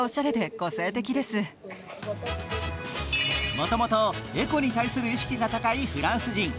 もともとエコの対する意識が高いフランス人。